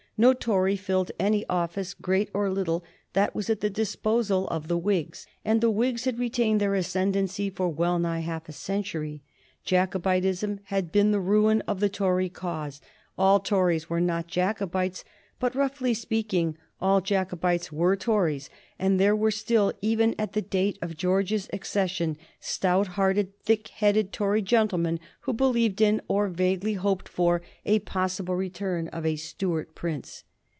No Tory filled any office, great or little, that was at the disposal of the Whigs, and the Whigs had retained their ascendency for well nigh half a century. Jacobitism had been the ruin of the Tory cause. All Tories were not Jacobites, but, roughly speaking, all Jacobites were Tories, and there were still, even at the date of George's accession, stout hearted, thick headed Tory gentlemen who believed in or vaguely hoped for a possible restoration of a Stuart prince.